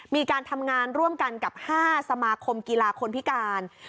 มีการทำงานร่วมกันกับ๕สมาคมกีฬาคนพิการ